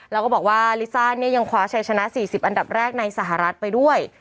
แล้วก็บอกว่าลิซ่าเนี่ยยังคว้าชัยชนะ๔๐อันดับแรกในสหรัฐไปด้วย